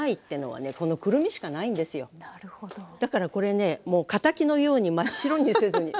だからこれねもう敵のように真っ白にせずに。